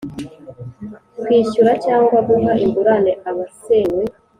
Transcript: kwishyura cyangwa guha ingurane abasenyewe